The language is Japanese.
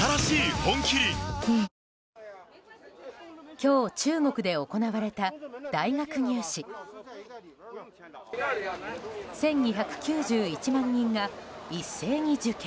今日、中国で行われた大学入試１２９１万人が一斉に受験。